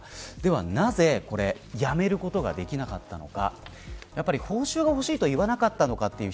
なぜ、やめることができなかったのか。